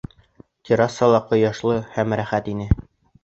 Террасала ҡояшлы һәм рәхәт ине.